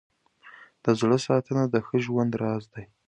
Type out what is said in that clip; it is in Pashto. د زړه ساتنه د ښه ژوند راز دی.